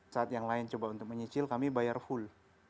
saat yang lain coba untuk menyicil kami bayar full